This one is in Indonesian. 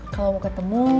kalau mau ketemu